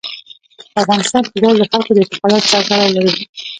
په افغانستان کې ګاز د خلکو د اعتقاداتو سره تړاو لري.